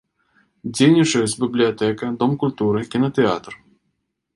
Дзейнічаюць бібліятэка, дом культуры, кінатэатр.